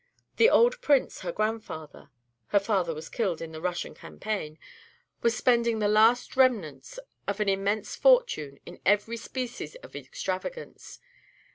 The old Prince, her grandfather, her father was killed in the Russian campaign, was spending the last remnant of an immense fortune in every species of extravagance.